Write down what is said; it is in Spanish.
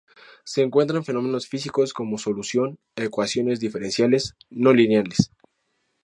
Se encuentra en fenómenos físicos como solución a ecuaciones diferenciales no lineales.